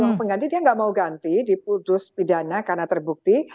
kalau pengganti dia nggak mau ganti diputus pidana karena terbukti